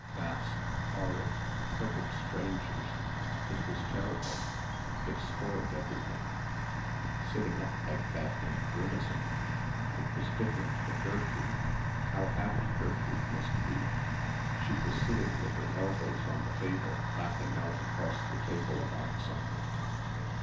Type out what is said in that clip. Fast, horrid ... perfect strangers ... it was terrible ... it spoilt everything. Sitting up like that and grimacing.... It was different for Gertrude. How happy Gertrude must be. She was sitting with her elbows on the table laughing out across the table about something....